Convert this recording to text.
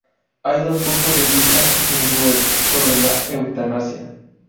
Hay dos puntos de vista hindúes sobre la eutanasia.